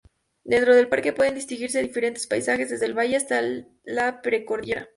Dentro del parque pueden distinguirse diferentes paisajes, desde el valle hasta la precordillera.